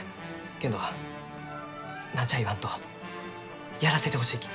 けんど何ちゃあ言わんとやらせてほしいき。